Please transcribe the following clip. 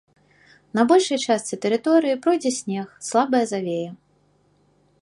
На большай частцы тэрыторыі пройдзе снег, слабая завея.